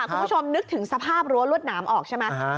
คุณผู้ชมนึกถึงสภาพรั้วรวดหนามออกใช่ไหม